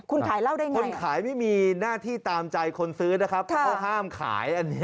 คุณขายเหล้าได้ไงคนขายไม่มีหน้าที่ตามใจคนซื้อนะครับเขาห้ามขายอันนี้